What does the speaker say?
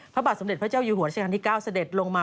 พระบาทสมเด็จพระเจ้าอยู่หัวราชการที่๙เสด็จลงมา